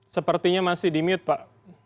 sepertinya masih di mute pak